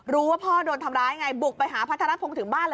รู้ว่าพ่อโดนทำร้ายไงบุกไปหาพัทรพงศ์ถึงบ้านเลย